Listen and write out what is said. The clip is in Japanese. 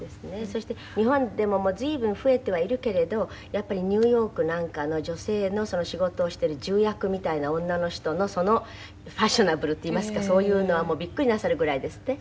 そして日本でも随分増えてはいるけれどやっぱりニューヨークなんかの女性のその仕事をしている重役みたいな女の人のそのファッショナブルといいますかそういうのはもうビックリなさるぐらいですって？